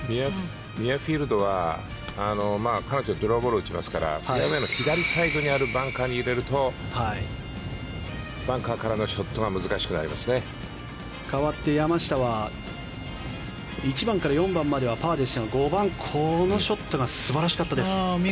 ミュアフィールドは彼女、ドライブボール打ちますから左サイドにあるバンカーに入れるとバンカーからのショットかわって山下は１番から４番まではパーでしたが５番のショットが素晴らしかったです。